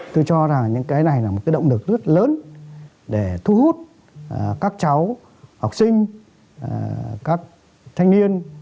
tôi cho rằng những cái này là một cái động lực rất lớn để thu hút các cháu học sinh các thanh niên